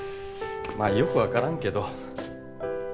まあよく分からんけど。